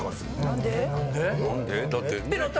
だって。